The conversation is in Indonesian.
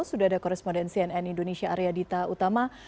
sudah ada korespondensi nn indonesia arya dita utama